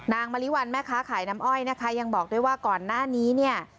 มริวัลแม่ค้าขายน้ำอ้อยนะคะยังบอกด้วยว่าก่อนหน้านี้เนี่ย